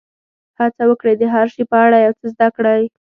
هڅه وکړئ د هر شي په اړه یو څه زده کړئ.